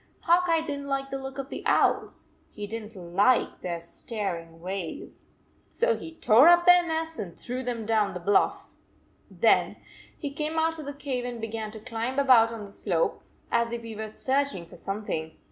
Hawk Eye did n t like the looks of owls. He did n t like their staring ways. So he tore up their nests and threw them down the bluff. Then he came out of the cave and began to climb about on the slope, as if he were searching for something.